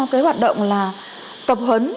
cái hoạt động là tập hấn